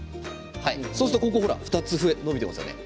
そうすると２つ伸びていますよね。